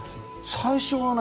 最初はね。